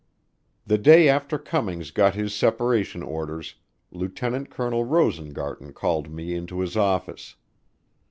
The day after Cummings got his separation orders, Lieutenant Colonel Rosengarten called me into his office.